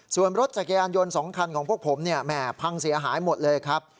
ส่วนรถจักรยานยนต์๒คันของพวกผมเนี่ยแหม่พังเสียหายหมดเลยครับ